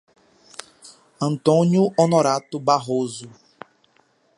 Antônio Honorato Barroso